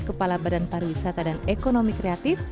kepala badan pariwisata dan ekonomi kreatif